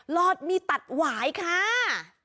รอดมีตัดหวายค่ะ